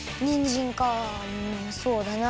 んそうだな。